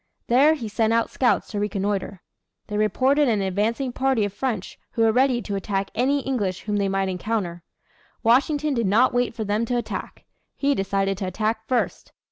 There he sent out scouts to reconnoitre. They reported an advancing party of French who were ready to attack any English whom they might encounter. Washington did not wait for them to attack. He decided to attack first.